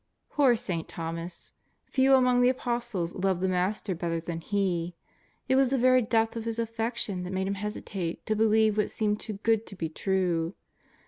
Poor St. Thomas ! few among the Apostles loved the Master better than he. It was the very depth of his affection that made him hesitate to believe what seemed too good to be true.